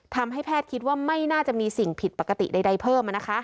ทำให้แพทย์คิดว่าไม่น่าจะมีสิ่งผิดปกติใดเพิ่ม